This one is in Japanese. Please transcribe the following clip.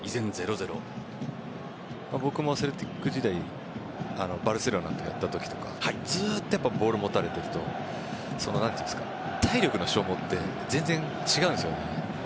僕もセルティック時代バルセロナとやったときとかずっとボールを持たれていると体力の消耗って全然違うんですよね。